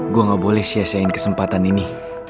gue gak boleh siasain kesempatan ini